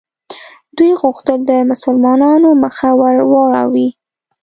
دوی غوښتل د مسلمانانو مخه ور واړوي.